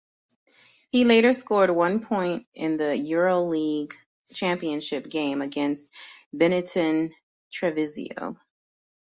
He later scored one point in the Euroleague championship game against Benetton Treviso.